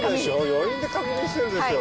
余韻で確認してるでしょ？